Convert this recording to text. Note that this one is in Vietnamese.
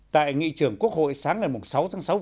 tại nghị trường quốc hội sáng ngày sáu tháng sáu